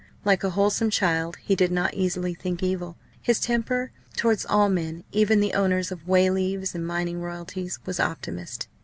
Like a wholesome child, he did not easily "think evil"; his temper towards all men even the owners of "way leaves" and mining royalties was optimist.